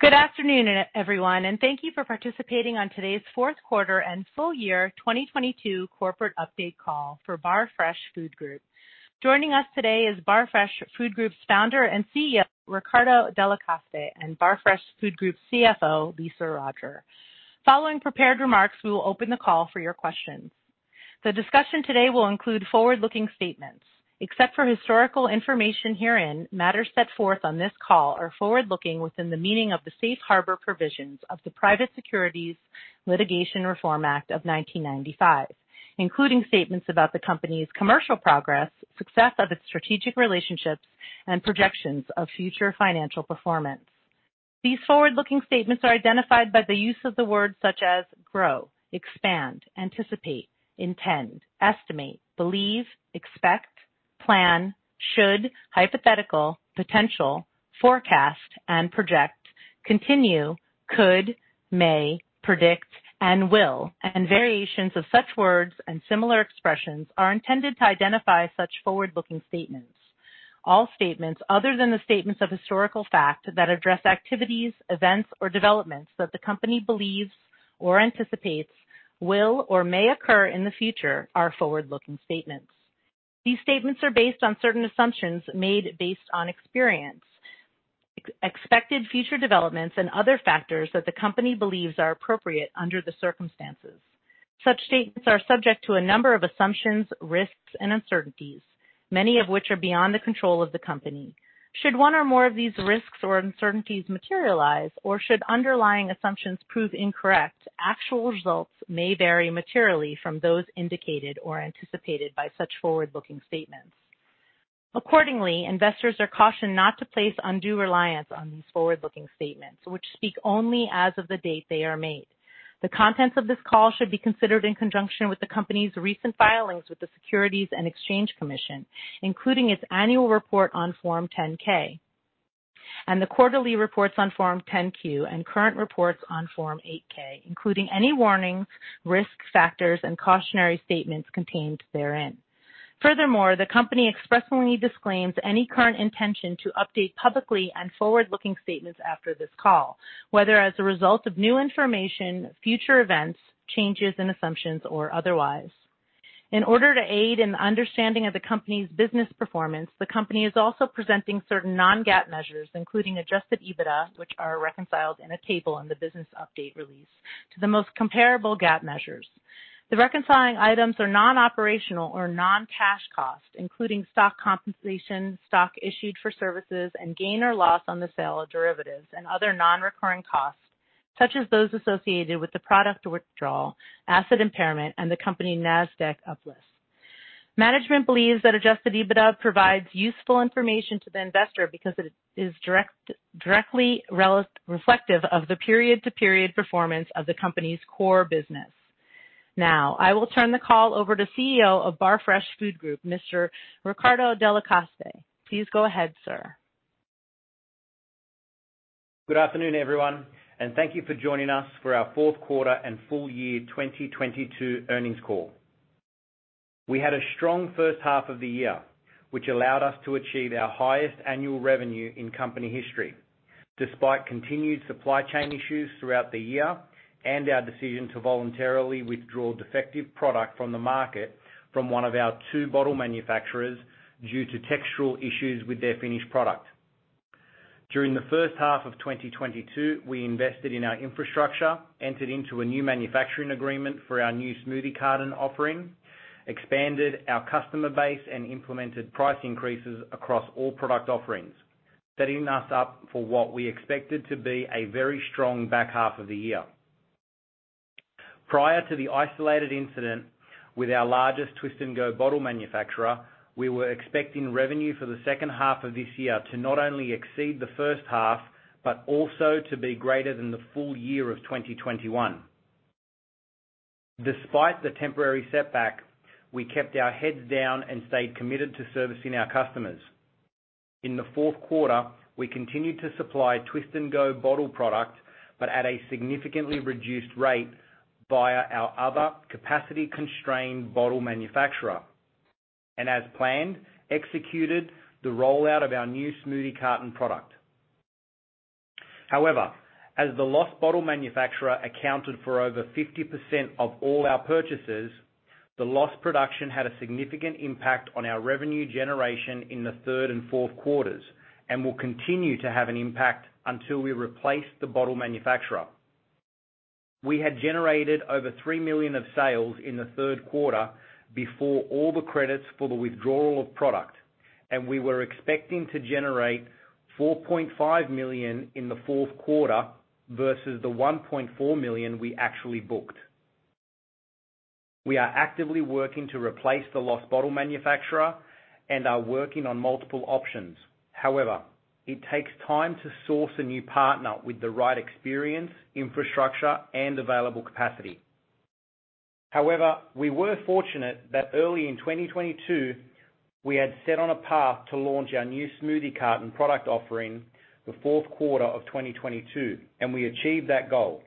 Good afternoon, everyone, and thank you for participating on today's Fourth Quarter and Full Year 2022 Corporate Update Call for Barfresh Food Group. Joining us today is Barfresh Food Group's Founder and CEO, Riccardo Delle Coste, and Barfresh Food Group's CFO, Lisa Roger. Following prepared remarks, we will open the call for your questions. The discussion today will include forward-looking statements. Except for historical information herein, matters set forth on this call are forward-looking within the meaning of the Safe Harbor Provisions of the Private Securities Litigation Reform Act of 1995, including statements about the company's commercial progress, success of its strategic relationships, and projections of future financial performance. These forward-looking statements are identified by the use of the words such as grow, expand, anticipate, intend, estimate, believe, expect, plan, should, hypothetical, potential, forecast, and project, continue, could, may, predict, and will, and variations of such words and similar expressions are intended to identify such forward-looking statements. All statements other than the statements of historical fact that address activities, events, or developments that the company believes or anticipates will or may occur in the future are forward-looking statements. These statements are based on certain assumptions made based on experience, expected future developments, and other factors that the company believes are appropriate under the circumstances. Such statements are subject to a number of assumptions, risks, and uncertainties, many of which are beyond the control of the company. Should one or more of these risks or uncertainties materialize, or should underlying assumptions prove incorrect, actual results may vary materially from those indicated or anticipated by such forward-looking statements. Accordingly, investors are cautioned not to place undue reliance on these forward-looking statements, which speak only as of the date they are made. The contents of this call should be considered in conjunction with the company's recent filings with the Securities and Exchange Commission, including its annual report on Form 10-K and the quarterly reports on Form 10-Q and current reports on Form 8-K, including any warnings, risk factors, and cautionary statements contained therein. Furthermore, the company expressly disclaims any current intention to update publicly and forward-looking statements after this call, whether as a result of new information, future events, changes in assumptions, or otherwise. In order to aid in the understanding of the company's business performance, the company is also presenting certain non-GAAP measures, including adjusted EBITDA, which are reconciled in a table in the business update release to the most comparable GAAP measures. The reconciling items are non-operational or non-cash costs, including stock compensation, stock issued for services, and gain or loss on the sale of derivatives and other non-recurring costs, such as those associated with the product withdrawal, asset impairment, and the company Nasdaq uplist. Management believes that adjusted EBITDA provides useful information to the investor because it is directly reflective of the period-to-period performance of the company's core business. I will turn the call over to CEO of Barfresh Food Group, Mr. Riccardo Delle Coste. Please go ahead, sir. Good afternoon, everyone, and thank you for joining us for our Fourth Quarter and Full Year 2022 Earnings Call. We had a strong first half of the year, which allowed us to achieve our highest annual revenue in company history, despite continued supply chain issues throughout the year and our decision to voluntarily withdraw defective product from the market from one of our two bottle manufacturers due to textural issues with their finished product. During the first half of 2022, we invested in our infrastructure, entered into a new manufacturing agreement for our new Smoothie Carton offering, expanded our customer base, and implemented price increases across all product offerings, setting us up for what we expected to be a very strong back half of the year. Prior to the isolated incident with our largest Twist & Go bottle manufacturer, we were expecting revenue for the second half of this year to not only exceed the first half but also to be greater than the full year of 2021. Despite the temporary setback, we kept our heads down and stayed committed to servicing our customers. In the fourth quarter, we continued to supply Twist & Go bottle product, but at a significantly reduced rate via our other capacity-constrained bottle manufacturer, and as planned, executed the rollout of our new Smoothie Carton product. As the lost bottle manufacturer accounted for over 50% of all our purchases, the lost production had a significant impact on our revenue generation in the third and fourth quarters and will continue to have an impact until we replace the bottle manufacturer. We had generated over $3 million of sales in the third quarter before all the credits for the withdrawal of product, we were expecting to generate $4.5 million in the fourth quarter versus the $1.4 million we actually booked. We are actively working to replace the lost bottle manufacturer and are working on multiple options. It takes time to source a new partner with the right experience, infrastructure, and available capacity. We were fortunate that early in 2022, we had set on a path to launch our new Smoothie Carton product offering the fourth quarter of 2022, we achieved that goal.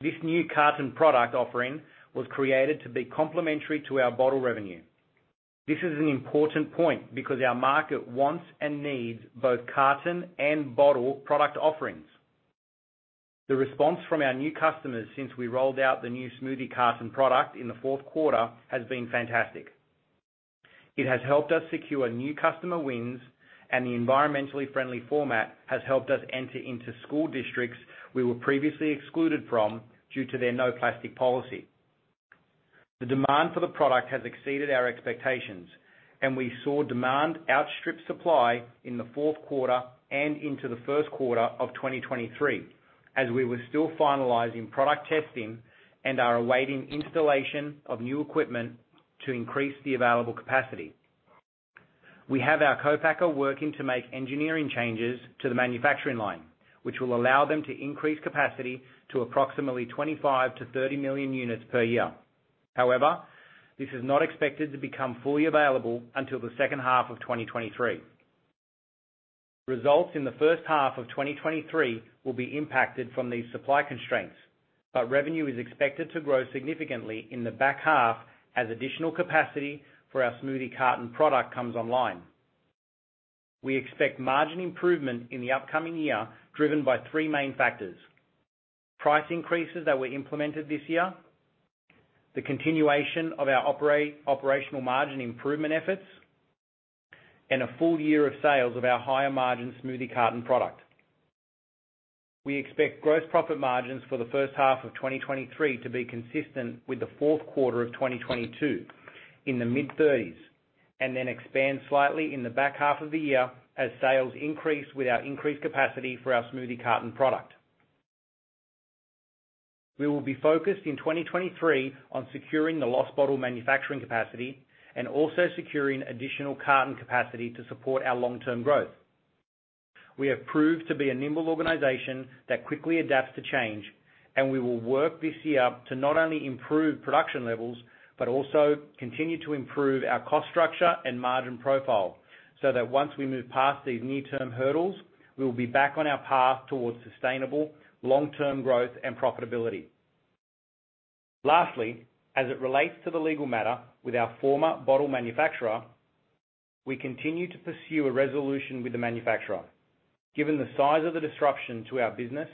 This new Carton product offering was created to be complementary to our bottle revenue. This is an important point because our market wants and needs both Carton and bottle product offerings. The response from our new customers since we rolled out the new Smoothie Carton product in the fourth quarter has been fantastic. It has helped us secure new customer wins, and the environmentally friendly format has helped us enter into school districts we were previously excluded from due to their no-plastic policy. The demand for the product has exceeded our expectations, and we saw demand outstrip supply in the fourth quarter and into the first quarter of 2023, as we were still finalizing product testing and are awaiting installation of new equipment to increase the available capacity. We have our co-packer working to make engineering changes to the manufacturing line, which will allow them to increase capacity to approximately 25 million units-30 million units per year. This is not expected to become fully available until the second half of 2023. Results in the first half of 2023 will be impacted from these supply constraints. Revenue is expected to grow significantly in the back half as additional capacity for our Smoothie Carton product comes online. We expect margin improvement in the upcoming year driven by three main factors. Price increases that were implemented this year, the continuation of our operational margin improvement efforts, and a full year of sales of our higher-margin Smoothie Carton product. We expect gross profit margins for the first half of 2023 to be consistent with the fourth quarter of 2022 in the mid-30s. Expand slightly in the back half of the year as sales increase with our increased capacity for our Smoothie Carton product. We will be focused in 2023 on securing the lost bottle manufacturing capacity and also securing additional carton capacity to support our long-term growth. We have proved to be a nimble organization that quickly adapts to change, and we will work this year to not only improve production levels, but also continue to improve our cost structure and margin profile, so that once we move past these near-term hurdles, we will be back on our path towards sustainable long-term growth and profitability. Lastly, as it relates to the legal matter with our former bottle manufacturer, we continue to pursue a resolution with the manufacturer. Given the size of the disruption to our business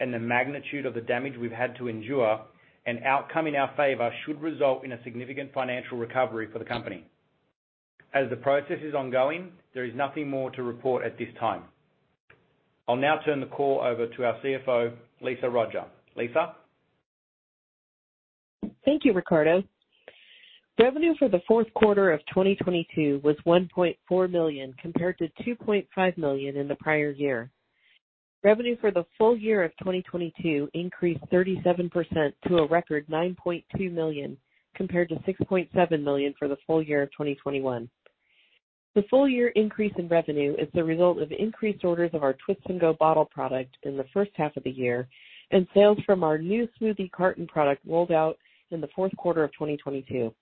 and the magnitude of the damage we've had to endure, an outcome in our favor should result in a significant financial recovery for the company. As the process is ongoing, there is nothing more to report at this time. I'll now turn the call over to our CFO, Lisa Roger. Lisa? Thank you, Ricardo. Revenue for the fourth quarter of 2022 was $1.4 million, compared to $2.5 million in the prior year. Revenue for the full year of 2022 increased 37% to a record $9.2 million, compared to $6.7 million for the full year of 2021. The full year increase in revenue is the result of increased orders of our Twist & Go Bottle product in the first half of the year and sales from our new Smoothie Carton product rolled out in the fourth quarter of 2022.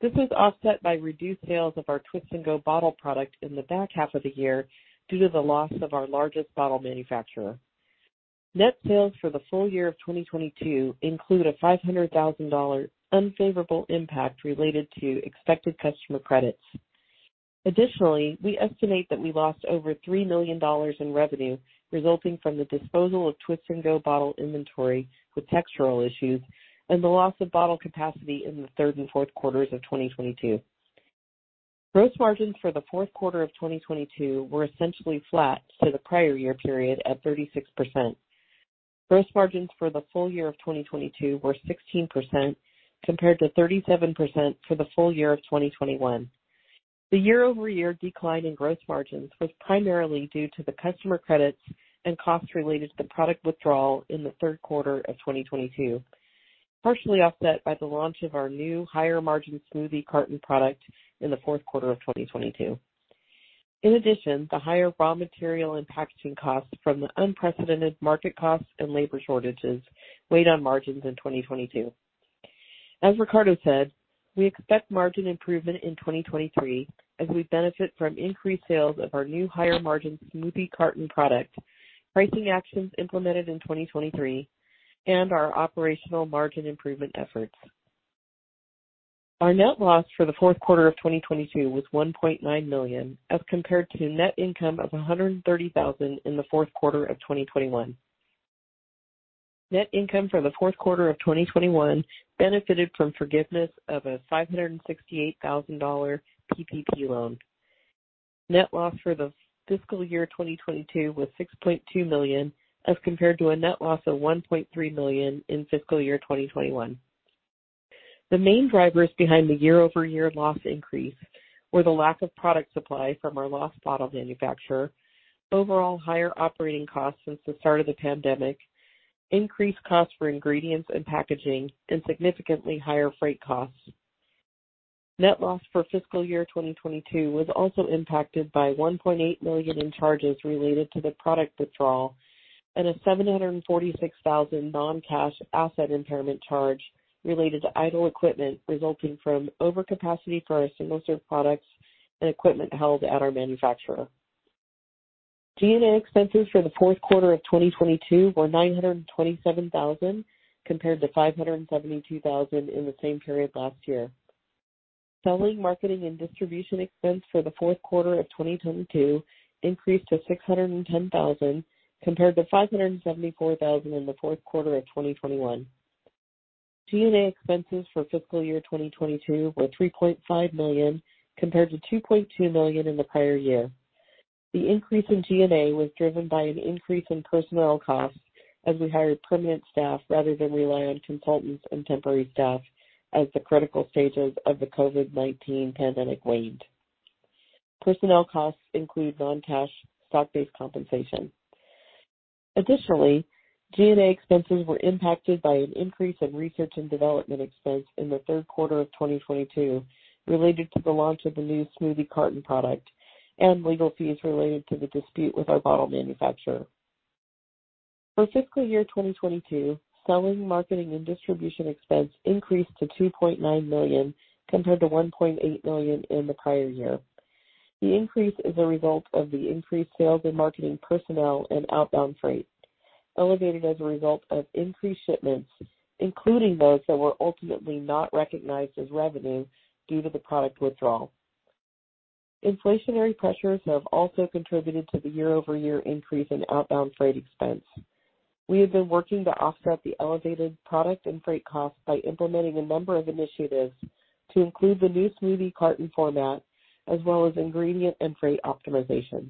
This was offset by reduced sales of our Twist & Go Bottle product in the back half of the year due to the loss of our largest bottle manufacturer. Net sales for the full year of 2022 include a $500,000 unfavorable impact related to expected customer credits. Additionally, we estimate that we lost over $3 million in revenue resulting from the disposal of Twist & Go Bottle inventory with textural issues and the loss of bottle capacity in the third and fourth quarters of 2022. Gross margins for the fourth quarter of 2022 were essentially flat to the prior year period at 36%. Gross margins for the full year of 2022 were 16%, compared to 37% for the full year of 2021. The year-over-year decline in gross margins was primarily due to the customer credits and costs related to the product withdrawal in the third quarter of 2022, partially offset by the launch of our new higher-margin Smoothie Carton product in the fourth quarter of 2022. The higher raw material and packaging costs from the unprecedented market costs and labor shortages weighed on margins in 2022. As Riccardo said, we expect margin improvement in 2023 as we benefit from increased sales of our new higher-margin Smoothie Carton product, pricing actions implemented in 2023, and our operational margin improvement efforts. Our net loss for the fourth quarter of 2022 was $1.9 million, as compared to net income of $130,000 in the fourth quarter of 2021. Net income for the fourth quarter of 2021 benefited from forgiveness of a $568,000 PPP loan. Net loss for the fiscal year 2022 was $6.2 million, as compared to a net loss of $1.3 million in fiscal year 2021. The main drivers behind the year-over-year loss increase were the lack of product supply from our lost bottle manufacturer, overall higher operating costs since the start of the pandemic, increased costs for ingredients and packaging, and significantly higher freight costs. Net loss for fiscal year 2022 was also impacted by $1.8 million in charges related to the product withdrawal and a $746,000 non-cash asset impairment charge related to idle equipment resulting from overcapacity for our single-serve products and equipment held at our manufacturer. G&A expenses for the fourth quarter of 2022 were $927,000, compared to $572,000 in the same period last year. Selling, marketing, and distribution expense for the fourth quarter of 2022 increased to $610,000 compared to $574,000 in the fourth quarter of 2021. G&A expenses for fiscal year 2022 were $3.5 million, compared to $2.2 million in the prior year. The increase in G&A was driven by an increase in personnel costs as we hired permanent staff rather than rely on consultants and temporary staff as the critical stages of the COVID-19 pandemic waned. Personnel costs include non-cash stock-based compensation. Additionally, G&A expenses were impacted by an increase in research and development expense in the third quarter of 2022 related to the launch of the new Smoothie Carton product and legal fees related to the dispute with our bottle manufacturer. For fiscal year 2022, selling, marketing, and distribution expense increased to $2.9 million compared to $1.8 million in the prior year. The increase is a result of the increased sales and marketing personnel and outbound freight, elevated as a result of increased shipments, including those that were ultimately not recognized as revenue due to the product withdrawal. Inflationary pressures have also contributed to the year-over-year increase in outbound freight expense. We have been working to offset the elevated product and freight costs by implementing a number of initiatives to include the new Smoothie Carton format as well as ingredient and freight optimization.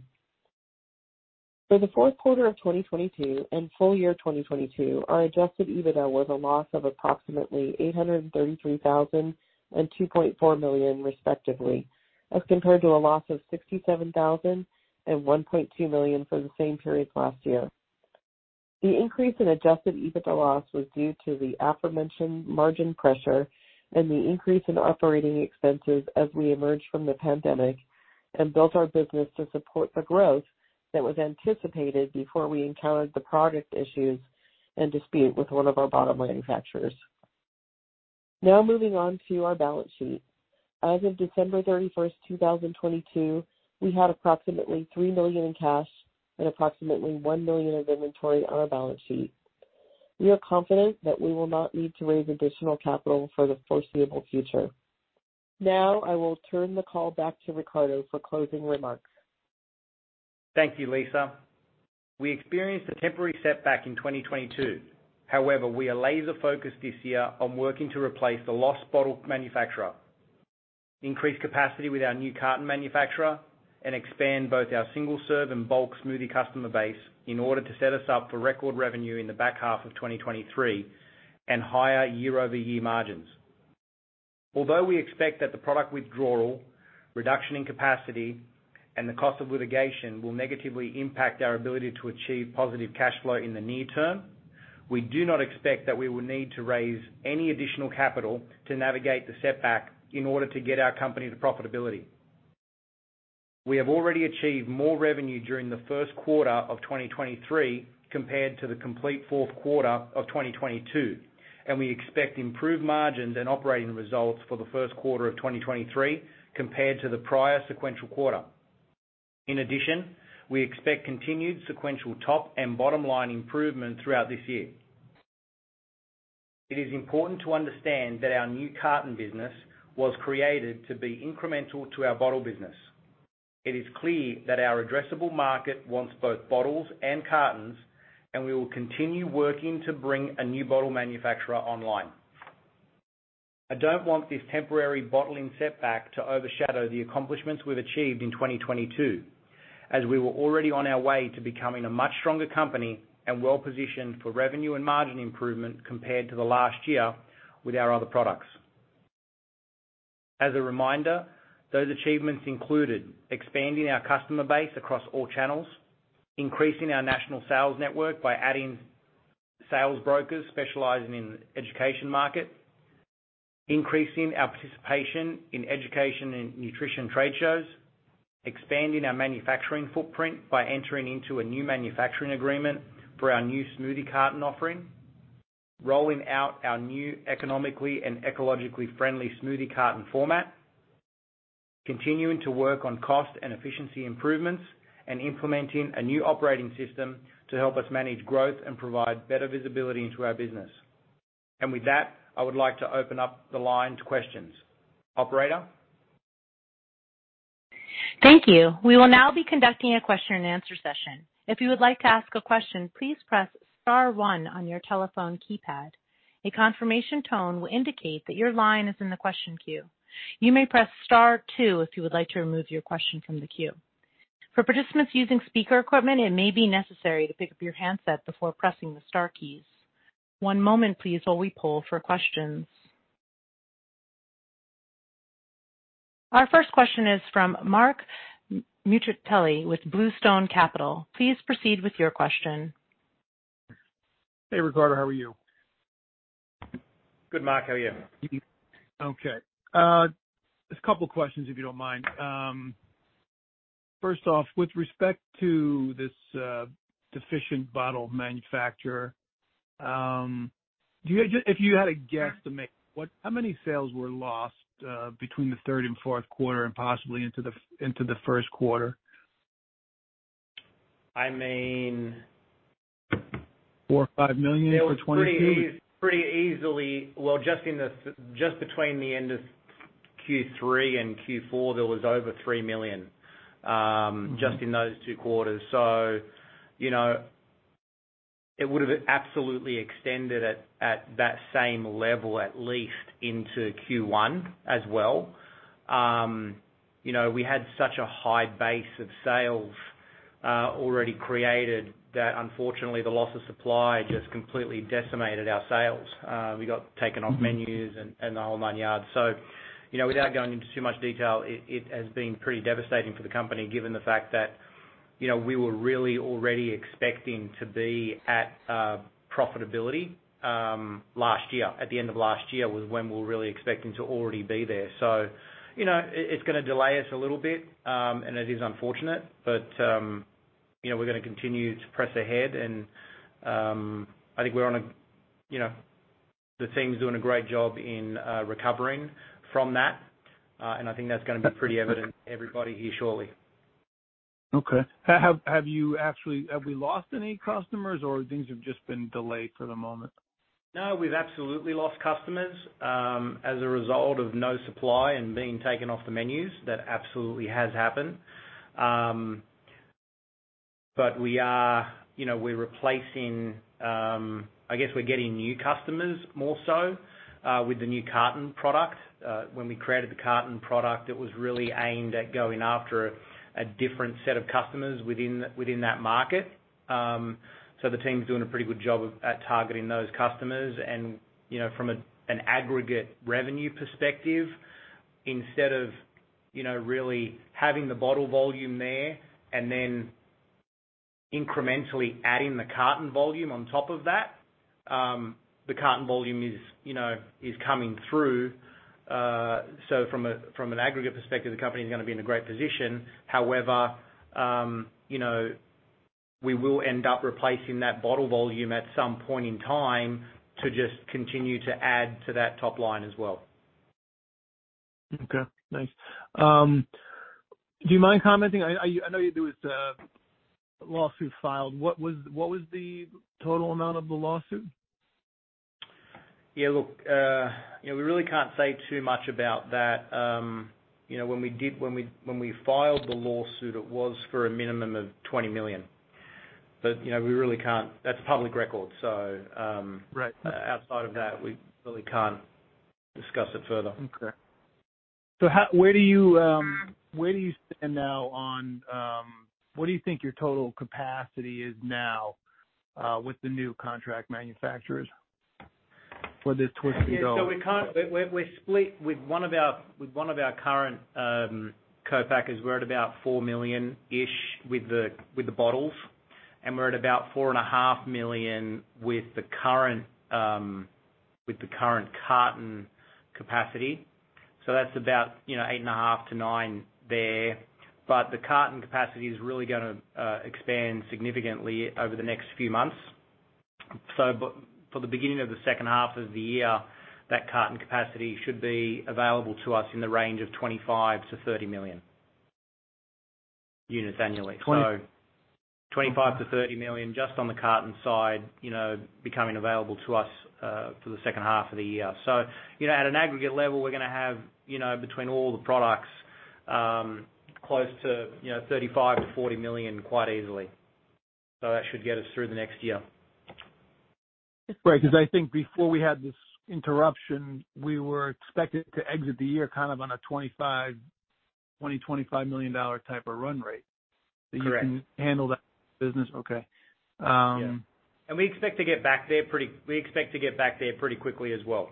For the fourth quarter of 2022 and full year 2022, our adjusted EBITDA was a loss of approximately $833,000 and $2.4 million, respectively, as compared to a loss of $67,000 and $1.2 million for the same period last year. The increase in adjusted EBITDA loss was due to the aforementioned margin pressure and the increase in operating expenses as we emerged from the pandemic and built our business to support the growth that was anticipated before we encountered the product issues and dispute with one of our bottle manufacturers. Moving on to our balance sheet. As of December 31st, 2022, we had approximately $3 million in cash and approximately $1 million of inventory on our balance sheet. We are confident that we will not need to raise additional capital for the foreseeable future. I will turn the call back to Riccardo for closing remarks. Thank you, Lisa. We experienced a temporary setback in 2022. However, we are laser focused this year on working to replace the lost bottle manufacturer, increase capacity with our new carton manufacturer, and expand both our single-serve and bulk smoothie customer base in order to set us up for record revenue in the back half of 2023 and higher year-over-year margins. Although we expect that the product withdrawal, reduction in capacity, and the cost of litigation will negatively impact our ability to achieve positive cash flow in the near term, we do not expect that we will need to raise any additional capital to navigate the setback in order to get our company to profitability. We have already achieved more revenue during the first quarter of 2023 compared to the complete fourth quarter of 2022, and we expect improved margins and operating results for the first quarter of 2023 compared to the prior sequential quarter. In addition, we expect continued sequential top and bottom line improvement throughout this year. It is important to understand that our new carton business was created to be incremental to our bottle business. It is clear that our addressable market wants both bottles and cartons, and we will continue working to bring a new bottle manufacturer online. I don't want this temporary bottling setback to overshadow the accomplishments we've achieved in 2022, as we were already on our way to becoming a much stronger company and well positioned for revenue and margin improvement compared to the last year with our other products. As a reminder, those achievements included expanding our customer base across all channels, increasing our national sales network by adding sales brokers specializing in education market, increasing our participation in education and nutrition trade shows, expanding our manufacturing footprint by entering into a new manufacturing agreement for our new Smoothie Carton offering, rolling out our new economically and ecologically friendly Smoothie Carton format, continuing to work on cost and efficiency improvements, and implementing a new operating system to help us manage growth and provide better visibility into our business. With that, I would like to open up the line to questions. Operator? Thank you. We will now be conducting a question and answer session. If you would like to ask a question, please press star one on your telephone keypad. A confirmation tone will indicate that your line is in the question queue. You may press star two if you would like to remove your question from the queue. For participants using speaker equipment, it may be necessary to pick up your handset before pressing the star keys. One moment please while we poll for questions. Our first question is from Marc Nuccitelli with Bluestone Capital. Please proceed with your question. Hey Riccardo, how are you? Good, Marc, how are you? Okay. Just a couple questions if you don't mind. First off, with respect to this, deficient bottle manufacturer. Do you, if you had a guesstimate, what, how many sales were lost, between the third and fourth quarter and possibly into the first quarter? I mean- $4 million or $5 million for 2022? It was pretty easily. Well, just between the end of Q3 and Q4, there was over $3 million. just in those two quarters. You know, it would have absolutely extended at that same level, at least into Q1 as well. You know, we had such a high base of sales already created that unfortunately, the loss of supply just completely decimated our sales. We got taken off menus and the whole nine yards. You know, without going into too much detail, it has been pretty devastating for the company, given the fact that, you know, we were really already expecting to be at profitability last year. At the end of last year was when we were really expecting to already be there. You know, it's gonna delay us a little bit, and it is unfortunate, but, you know, we're gonna continue to press ahead. I think we're on a, you know, the team's doing a great job in recovering from that. I think that's gonna be pretty evident to everybody here shortly. Okay. Have you actually, have we lost any customers or things have just been delayed for the moment? No, we've absolutely lost customers as a result of no supply and being taken off the menus. That absolutely has happened. We are, you know, we're replacing, I guess we're getting new customers more so with the new carton product. When we created the carton product, it was really aimed at going after a different set of customers within that market. The team's doing a pretty good job at targeting those customers. You know, from a, an aggregate revenue perspective, instead of, you know, really having the bottle volume there and then incrementally adding the carton volume on top of that, the carton volume is, you know, is coming through. From a, from an aggregate perspective, the company's gonna be in a great position. You know, we will end up replacing that bottle volume at some point in time to just continue to add to that top line as well. Okay, thanks. Do you mind commenting, I know you there was a lawsuit filed. What was the total amount of the lawsuit? Yeah, look, you know, we really can't say too much about that. You know, when we filed the lawsuit, it was for a minimum of $20 million. You know, we really can't. That's public record. Right outside of that, we really can't discuss it further. Okay. How, where do you stand now on, what do you think your total capacity is now, with the new contract manufacturers for this Twist & Go? We can't, we're split with one of our current co-packers. We're at about $4 million-ish with the bottles, and we're at about $4.5 million with the current carton capacity. That's about, you know, $8.5 million-$9 million there. The carton capacity is really gonna expand significantly over the next few months. For the beginning of the second half of the year, that carton capacity should be available to us in the range of 25 million units-30 million units annually. $25 million-$30 million just on the carton side, you know, becoming available to us for the second half of the year. At an aggregate level, we're gonna have, you know, between all the products, close to, you know, $35 million-$40 million quite easily. That should get us through the next year. Right. 'Cause I think before we had this interruption, we were expected to exit the year kind of on a 25, $20 million-$25 million type of run rate. Correct. you can handle that business? Okay. Yeah. We expect to get back there pretty quickly as well.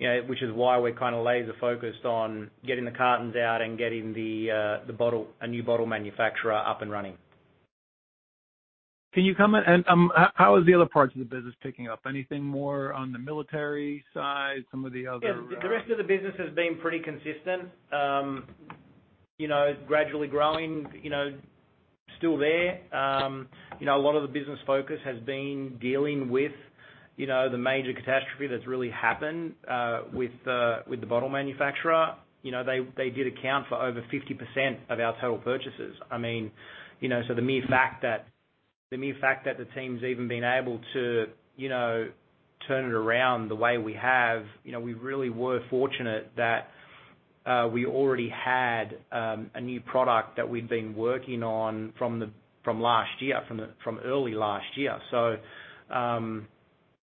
You know, which is why we're kinda laser focused on getting the cartons out and getting a new bottle manufacturer up and running. Can you comment and, how is the other parts of the business picking up? Anything more on the military side, some of the other? Yeah. The rest of the business has been pretty consistent. you know, gradually growing, you know, still there. you know, a lot of the business focus has been dealing with, you know, the major catastrophe that's really happened with the bottle manufacturer. You know, they did account for over 50% of our total purchases. I mean, you know, the mere fact that the team's even been able to, you know, turn it around the way we have, you know, we really were fortunate that we already had a new product that we'd been working on from last year, from early last year.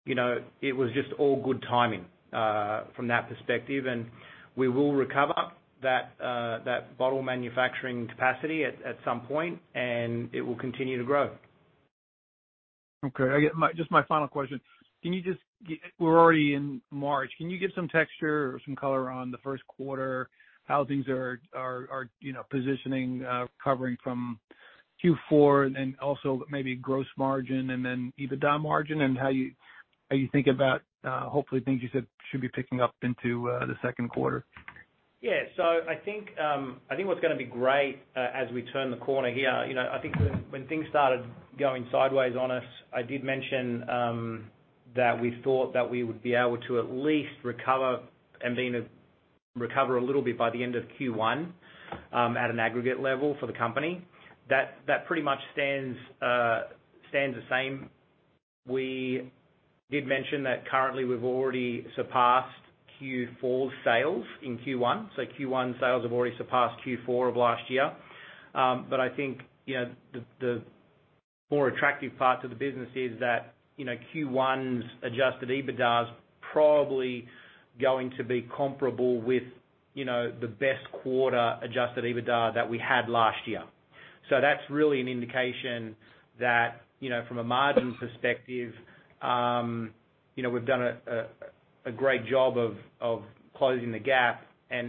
You know, it was just all good timing, from that perspective, and we will recover that bottle manufacturing capacity at some point, and it will continue to grow. Okay. Just my final question, can you just, we're already in March. Can you give some texture or some color on the first quarter, how things are, you know, positioning, recovering from Q4 and also maybe gross margin and then EBITDA margin and how you, how you think about, hopefully things you said should be picking up into the second quarter? Yeah. I think, I think what's gonna be great, as we turn the corner here, you know, I think when things started going sideways on us, I did mention, that we thought that we would be able to at least recover and then recover a little bit by the end of Q1, at an aggregate level for the company. That, that pretty much stands the same. We did mention that currently we've already surpassed Q4 sales in Q1. Q1 sales have already surpassed Q4 of last year. I think, you know, the more attractive part to the business is that, you know, Q1's adjusted EBITDAs probably going to be comparable with, you know, the best quarter adjusted EBITDA that we had last year. That's really an indication that, you know, from a margin perspective, you know, we've done a great job of closing the gap.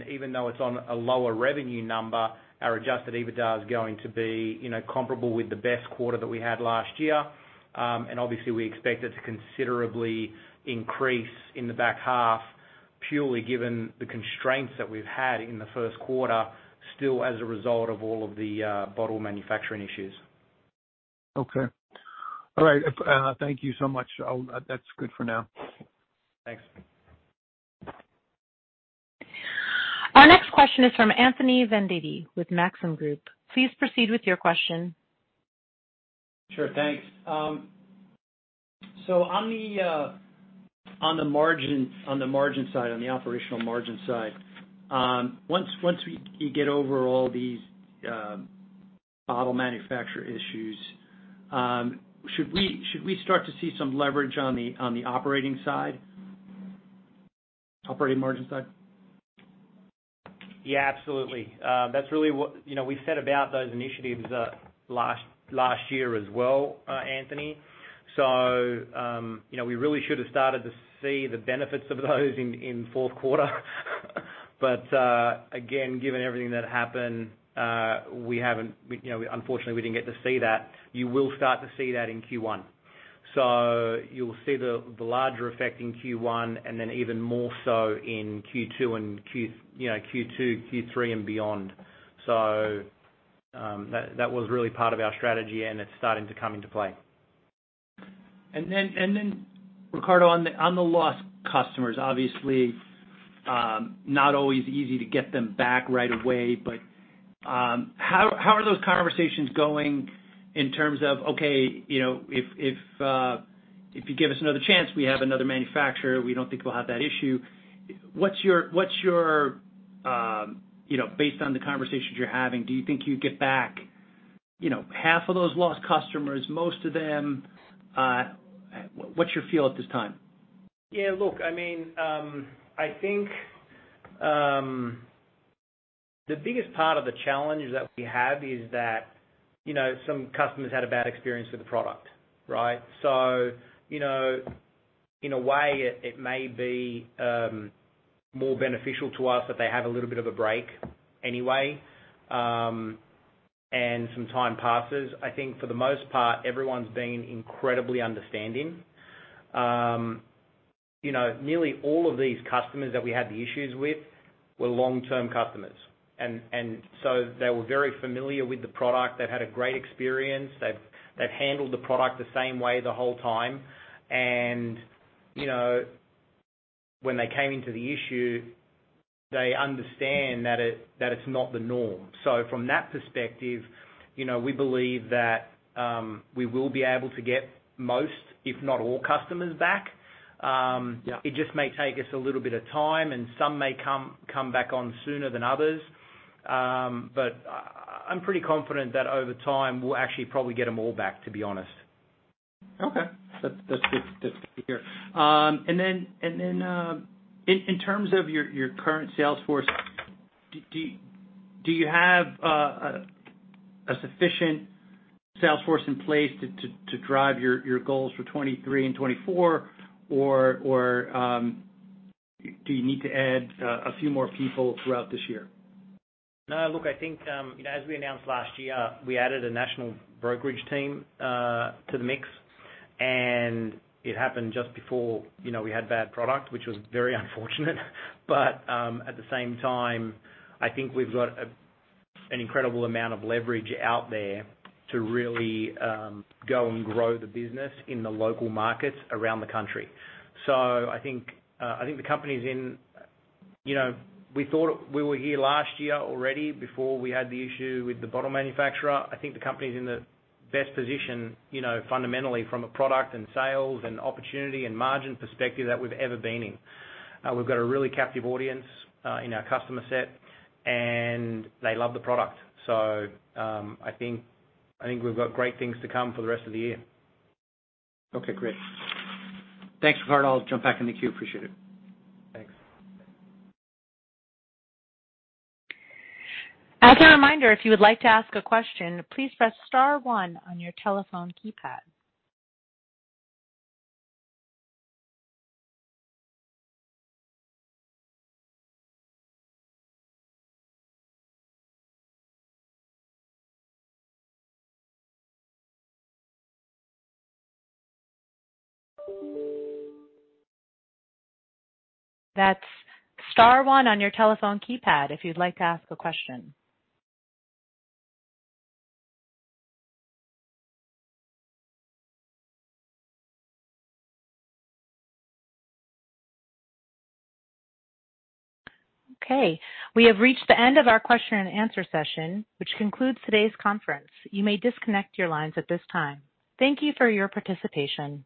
Even though it's on a lower revenue number, our adjusted EBITDA is going to be, you know, comparable with the best quarter that we had last year. Obviously we expect it to considerably increase in the back half, purely given the constraints that we've had in the first quarter, still as a result of all of the bottle manufacturing issues. Okay. All right. If, thank you so much. That's good for now. Thanks. Our next question is from Anthony Vendetti with Maxim Group. Please proceed with your question. Sure. Thanks. On the margin, on the margin side, on the operational margin side, once you get over all these bottle manufacture issues, should we start to see some leverage on the operating side? Operating margin side? Yeah, absolutely. That's really. You know, we set about those initiatives last year as well, Anthony. You know, we really should have started to see the benefits of those in fourth quarter. Again, given everything that happened, you know, unfortunately we didn't get to see that. You will start to see that in Q1. You'll see the larger effect in Q1 and then even more so in Q2, Q3 and beyond. That was really part of our strategy, and it's starting to come into play. Ricardo, on the lost customers, obviously, not always easy to get them back right away, but, how are those conversations going in terms of, okay, you know, if, if you give us another chance, we have another manufacturer, we don't think we'll have that issue. What's your, you know, based on the conversations you're having, do you think you'd get back, you know, half of those lost customers? Most of them? What's your feel at this time? Yeah, look, I mean, I think, the biggest part of the challenge that we have is that, you know, some customers had a bad experience with the product, right? You know, in a way it may be, more beneficial to us that they have a little bit of a break anyway, and some time passes. I think for the most part, everyone's been incredibly understanding. You know, nearly all of these customers that we had the issues with were long-term customers. They were very familiar with the product. They've had a great experience. They've handled the product the same way the whole time. You know, when they came into the issue, they understand that it's not the norm. From that perspective, you know, we believe that we will be able to get most, if not all, customers back. It just may take us a little bit of time, and some may come back on sooner than others. I'm pretty confident that over time we'll actually probably get them all back, to be honest. Okay. That's good. That's good to hear. In terms of your current sales force, do you have a sufficient sales force in place to drive your goals for 2023 and 2024, or do you need to add a few more people throughout this year? No, look, I think, you know, as we announced last year, we added a national brokerage team to the mix. It happened just before, you know, we had bad product, which was very unfortunate. At the same time, I think we've got an incredible amount of leverage out there to really go and grow the business in the local markets around the country. I think. You know, we thought we were here last year already before we had the issue with the bottle manufacturer. I think the company's in the best position, you know, fundamentally from a product and sales and opportunity and margin perspective that we've ever been in. We've got a really captive audience in our customer set, and they love the product. I think we've got great things to come for the rest of the year. Okay, great. Thanks, Riccardo. I'll jump back in the queue. Appreciate it. Thanks. As a reminder, if you would like to ask a question, please press star one on your telephone keypad. That's star one on your telephone keypad if you'd like to ask a question. Okay. We have reached the end of our question and answer session, which concludes today's conference. You may disconnect your lines at this time. Thank you for your participation.